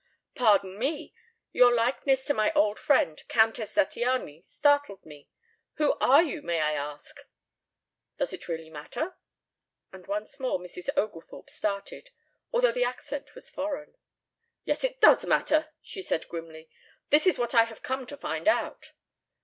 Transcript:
"Pardon me. Your likeness to my old friend, Countess Zattiany, startled me. Who are you, may I ask?" "Does it really matter?" And once more Mrs. Oglethorpe started, although the accent was foreign. "Yes, it does matter," she said grimly. "That is what I have come to find out."